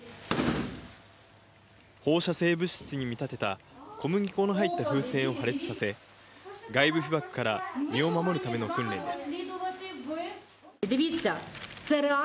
放射性物質に見立てた、小麦粉の入った風船を破裂させ、外部被ばくから身を守るための訓練です。